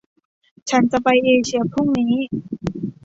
ฉันจะไปเอเชียพรุ่งนี้